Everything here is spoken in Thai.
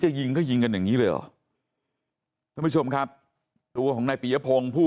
จะยิงก็ยิงกันอย่างนี้หรือทุกผู้ชมครับตัวของในปียะพงค์ผู้